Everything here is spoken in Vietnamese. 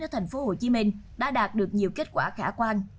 thành phố hồ chí minh đã đạt được nhiều kết quả khả quan